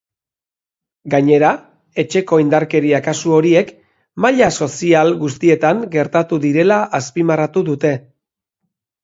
Gainera, etxeko indarkeria kasu horiek maila sozial guztietan gertatu direla azpimarratu dute.